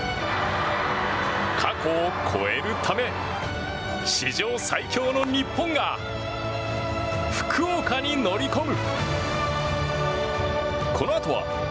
過去を超えるため史上最強の日本が福岡に乗り込む。